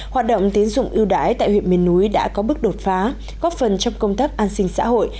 hoạt động tiến dụng ưu đái tại huyện miền núi đã có bước đột phá góp phần trong công tác an sinh xã hội